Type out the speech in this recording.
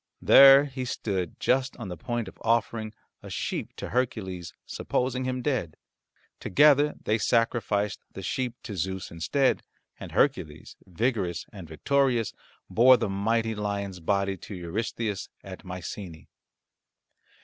There he stood just on the point of offering a sheep to Hercules, supposing him dead. Together they sacrificed the sheep to Zeus instead, and Hercules, vigorous and victorious, bore the mighty lion's body to Eurystheus at Mycenae.